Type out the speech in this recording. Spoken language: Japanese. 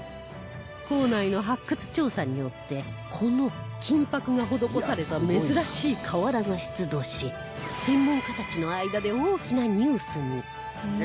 構内の発掘調査によってこの金箔が施された珍しい瓦が出土し専門家たちの間で大きなニュースに